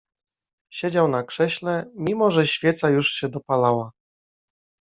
Siedział na krześle, mimo że świeca już się dopalała.